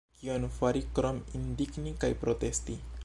Kion fari krom indigni kaj protesti?